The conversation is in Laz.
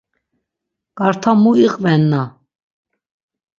Ǩarta mu iqvenna.